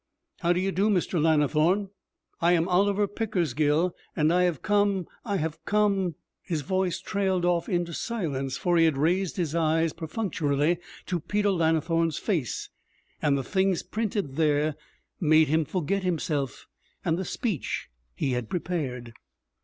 'How do you do, Mr. Lannithorne? I am Oliver Pickersgill, and I have come I have come ' His voice trailed off into silence, for he had raised his eyes perfunctorily to Peter Lannithorne's face, and the things printed there made him forget himself and the speech he had prepared.